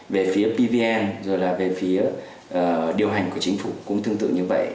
về phía pvn rồi là về phía điều hành của chính phủ cũng tương tự như vậy